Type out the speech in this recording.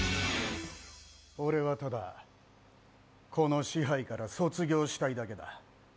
俺はただ、この支配から卒業したいだけだ。